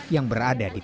yang berada di tk